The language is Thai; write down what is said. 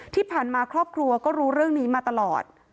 ที่ผ่านมาครอบครัวก็รู้เรื่องนี้มาตลอด